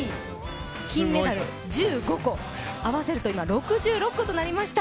金メダル１５個、合わせると今６６個となりました。